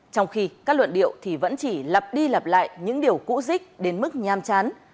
trong khi các luận điệu thì vẫn chỉ lặp đi lặp lại những điều cũ dích đến mức nham chán